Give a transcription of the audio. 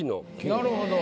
なるほど。